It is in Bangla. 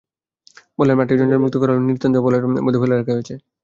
বললেন, মাঠটি জঞ্জালমুক্ত করা হলেও নিতান্তই অবহেলার মধ্যে ফেলে রাখা হয়েছে।